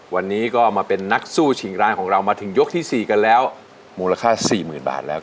วันนี้ก็มาเป็นนักสู้ชิงร้านของเรามาถึงยกที่๔กันแล้วมูลค่าสี่หมื่นบาทแล้ว